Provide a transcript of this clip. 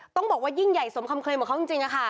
ต้องบอกว่ายิ่งใหญ่สมคำเคลย์เหมือนเขาจริงจริงอะค่ะ